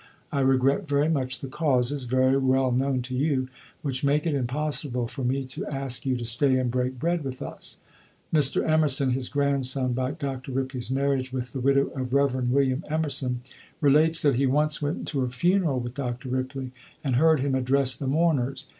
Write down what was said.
I regret very much the causes (very well known to you), which make it impossible for me to ask you to stay and break bread with us." Mr. Emerson, his grandson (by Dr. Ripley's marriage with the widow of Rev. William Emerson) relates that he once went to a funeral with Dr. Ripley, and heard him address the mourners.